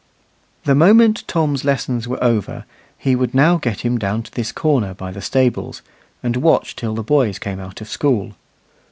The moment Tom's lessons were over, he would now get him down to this corner by the stables, and watch till the boys came out of school.